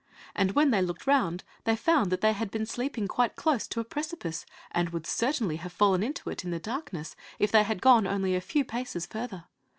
And when they looked round they found that they had been sleeping quite close to a precipice, and would certainly have fallen into it in the darkness if they had gone only a few paces further.